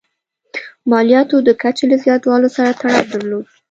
مالیاتو د کچې له زیاتوالي سره تړاو درلود.